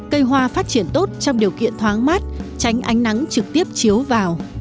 cây hoa phát triển tốt trong điều kiện thoáng mát tránh ánh nắng trực tiếp chiếu vào